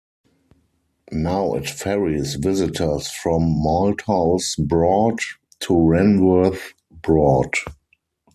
Now it ferries visitors from Malthouse Broad to Ranworth Broad.